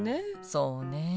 そうねえ。